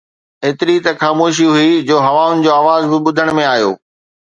ايتري ته خاموشي هئي جو هوائن جو آواز به ٻڌڻ ۾ آيو